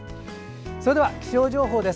それでは気象情報です。